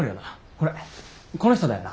これこの人だよな？